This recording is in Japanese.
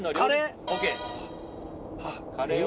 カレーＯＫ